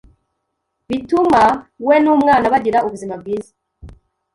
bituma we n’umwana bagira ubuzima bwiza